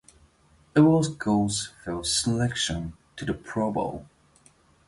It was Gore's first selection to the Pro Bowl.